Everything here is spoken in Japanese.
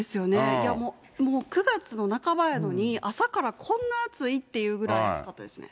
いやもう、９月の半ばやのに、朝からこんな暑いっていうぐらい暑かったですね。